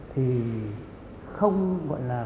thì không gọi là